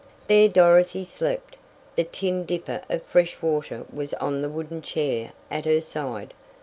There Dorothy slept. The tin dipper of fresh water was on the wooden chair at her side.